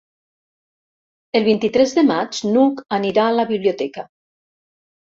El vint-i-tres de maig n'Hug anirà a la biblioteca.